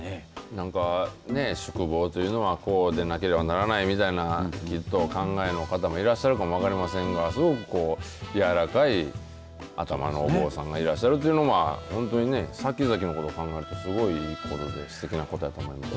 何か宿坊というのはこうでなければならないみたいな考えの方もいらっしゃるかも分かりませんがすごく、こう、やわらかい頭のお坊さんがいらっしゃるというのは本当にねさきざきのことを考えるとすごいことですよね。